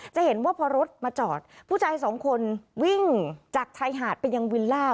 จะเห็นว่าพอรถมาจอดผู้ชายสองคนวิ่งจากชายหาดไปยังวิลล่า